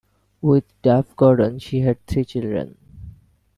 With Duff-Gordon she had three children.